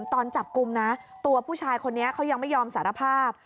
ตอนจับกลุ่มนะตัวผู้ชายคนนี้เขายังไม่ยอมสารภาพ